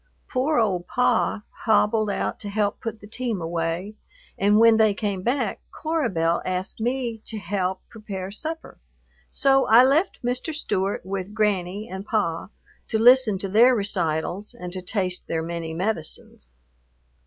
Poor old "Pa" hobbled out to help put the team away, and when they came back, Cora Belle asked me out to help prepare supper, so I left Mr. Stewart with "Granny" and "Pa" to listen to their recitals and to taste their many medicines.